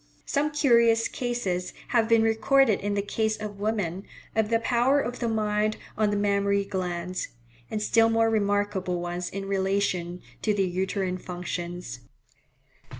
Some curious cases have been recorded in the case of women, of the power of the mind on the mammary glands; and still more remarkable ones in relation to the uterine functions.